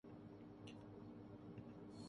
I S I کا ایجنٹ ہونے پر فخر ہے حمزہ علی عباسی